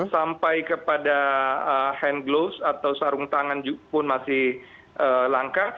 sampai kepada hand glos atau sarung tangan pun masih langka